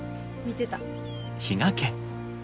見てた。